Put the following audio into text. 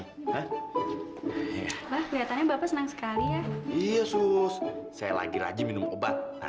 lihatannya bapak senang sekali ya iya sus saya lagi rajin minum obat